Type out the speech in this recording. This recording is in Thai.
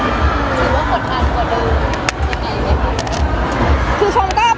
คือว่ากดดันกดดึงยังไงไหมคะ